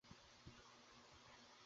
কাজে লাগো, বৎস, কাজে লাগো।